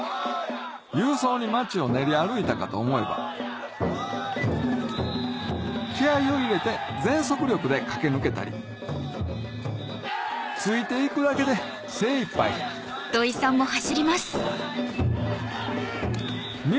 勇壮に町を練り歩いたかと思えば気合を入れて全速力で駆け抜けたりついて行くだけで精いっぱいそりゃ